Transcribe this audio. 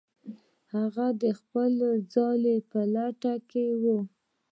هغه د خپلې ځالې په لټه کې و.